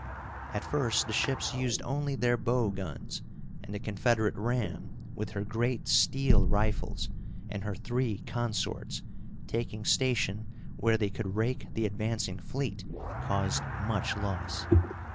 At first the ships used only their bow guns, and the Confederate ram, with her great steel rifles, and her three consorts, taking station where they could rake the advancing fleet, caused much loss.